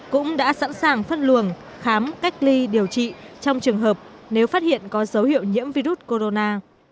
cũng đã sẵn sàng phân luồng khám cách ly điều trị trong trường hợp nếu phát hiện có dấu hiệu nhiễm virus corona